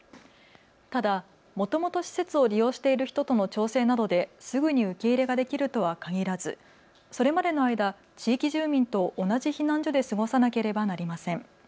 ただもともと施設を利用している人との調整などで、すぐに受け入れができるとはかぎらずそれまでの間、地域住民と同じ避難所で過ごさなければなりません。